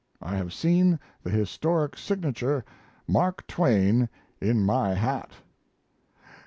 I have seen the historic signature "Mark Twain" in my hat!!